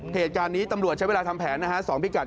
เหตุการณ์นี้ตำรวจใช้เวลาทำแผนนะฮะ๒พิกัด